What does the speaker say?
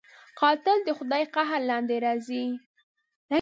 قاتل د خدای د قهر لاندې راځي